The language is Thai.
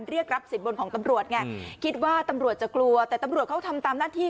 เรียกรับสินบนของตำรวจไงคิดว่าตำรวจจะกลัวแต่ตำรวจเขาทำตามหน้าที่